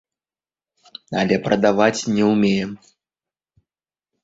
Але прадаваць не ўмеем.